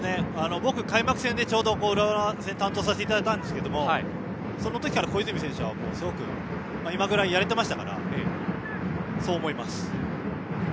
僕、開幕戦で浦和戦を担当させてもらったんですがそのときから小泉選手は今ぐらいやれていましたからそう思います。